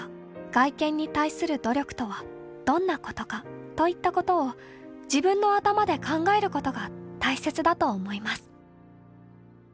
『外見に対する努力とはどんなことか』といったことを自分の頭で考えることが大切だと思います」。